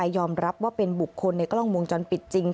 ยอมรับว่าเป็นบุคคลในกล้องวงจรปิดจริง